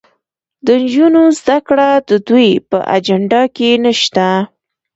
د نجونو زدهکړه د دوی په اجنډا کې نشته.